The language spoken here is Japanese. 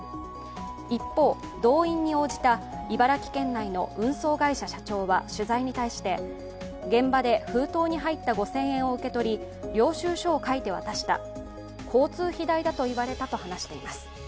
一方、動員に応じた茨城県内の運送会社社長は取材に対して現場で封筒に入った５０００円を受け取り領収書を書いて渡した交通費代だと言われたと話しています。